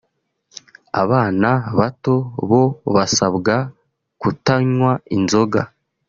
abana bato bo basabwa kutanywa inzoga